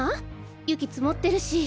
雪つもってるし。